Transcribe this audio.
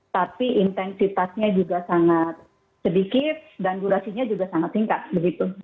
tapi intensitasnya juga sangat sedikit dan durasinya juga sangat singkat begitu